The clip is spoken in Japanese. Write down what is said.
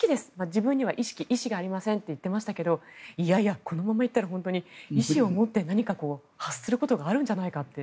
自分には意識、意思がありませんと言っていましたがいやいや、このままいったら意思を持って何か発することがあるんじゃないかって。